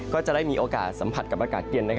ก็จะได้มีโอกาสสัมผัสกับอากาศเย็น